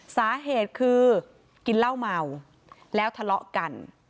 สาเหตุคือกินเหล้าเมาแล้วทะเลาะกัน